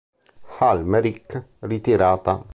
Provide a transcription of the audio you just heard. Al-Merrikh ritirata.